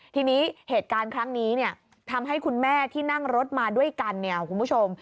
ทีนี้เหตุการณ์ครั้งนี้เนี่ยทำให้คุณแม่ที่นั่งรถมาด้วยกันเนี่ยคุณผู้ชม